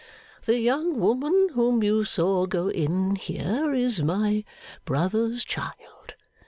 The young woman whom you saw go in here is my brother's child.